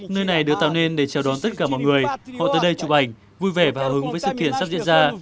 nơi này được tạo nên để chào đón tất cả mọi người họ tới đây chụp ảnh vui vẻ và hào hứng với sự kiện sắp diễn ra